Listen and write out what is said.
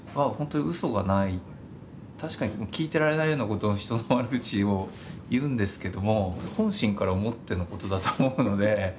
確かに聞いてられないようなこと人の悪口を言うんですけども本心から思ってのことだと思うので。